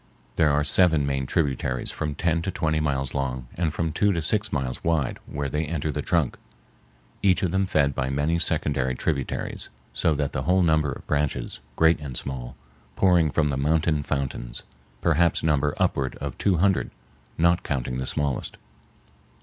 There are seven main tributaries from ten to twenty miles long and from two to six miles wide where they enter the trunk, each of them fed by many secondary tributaries; so that the whole number of branches, great and small, pouring from the mountain fountains perhaps number upward of two hundred, not counting the smallest.